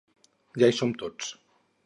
Ja hi som tots!